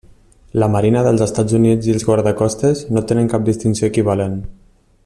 La Marina dels Estats Units i els Guardacostes no tenen cap distinció equivalent.